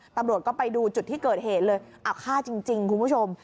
ตำรวจก็ไปดูจุดที่เกิดเหตุเลยเอาฆ่าจริงคุณผู้ชม